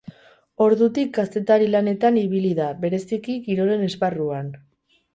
Ordutik kazetari lanetan ibili da, bereziki kirolen esparruan.